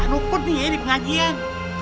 nukun nih ya di pengajian